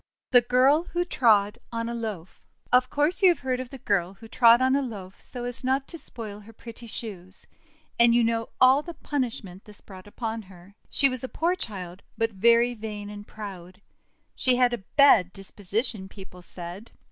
THE GIRL WHO TROD ON A LOAF OF course you have heard of the girl who trod on a loaf, so as not to spoil her pretty shoes; and you know all the punishment this brought upon her. She was a poor child, but very vain and proud. She had a bad disposition, people said.